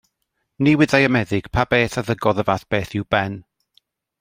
Ni wyddai y meddyg pa beth a ddygodd y fath beth i'w ben.